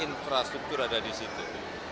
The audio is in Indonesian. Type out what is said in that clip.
infrastruktur ada di situ